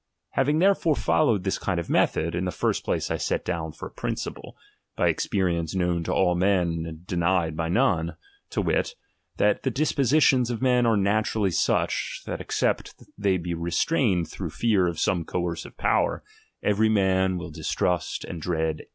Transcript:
Having therefore followed this kind of method, in the first place I set down for a principle, by experi ence known to all men and denied by none, to wit, that the dispositions of men are naturally such, that except they be restrained through fear of some coercive power, everj man « ill distrust and dread TO THE READER.